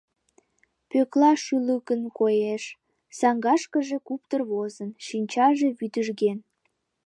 Пӧкла шӱлыкын коеш, саҥгашкыже куптыр возын, шинчаже вӱдыжген.